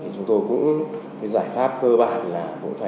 chúng tôi cũng giải pháp cơ bản là